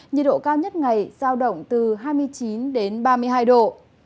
nhiệt độ cao nhất ngày giao động từ hai mươi chín đến ba mươi hai độ